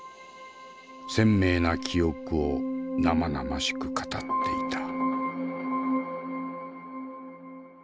鮮明な記憶を生々しく語っていた。